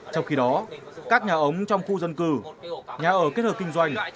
trong khi đó các nhà ống trong khu dân cư nhà ở kết hợp kinh doanh